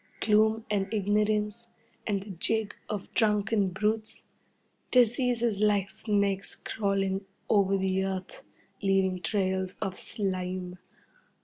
Gloom and ignorance, and the jig of drunken brutes. Diseases like snakes crawling over the earth, leaving trails of slime.